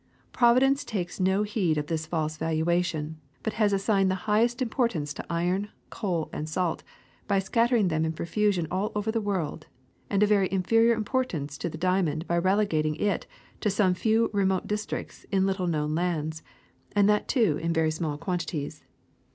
Providence takes no heed 203 204* THE SECRET OF EVERYDAY THINGS of this false valuation, but has assigned the highest importance to iron, coal, and salt by scattering them in profusion all over the earth, and a very inferior importance to the diamond by relegating it to some few remote districts in little known lands, and that too in very small quantities.